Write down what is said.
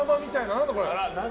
何だこれ。